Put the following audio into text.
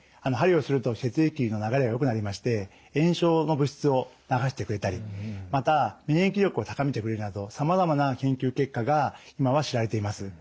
鍼をすると血液の流れがよくなりまして炎症の物質を流してくれたりまた免疫力を高めてくれるなどさまざまな研究結果が今は知られています。